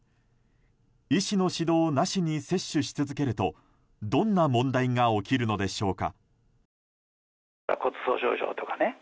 医師の指導なしに摂取し続けるとどんな問題が起きるのでしょうか？